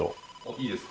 いいですか？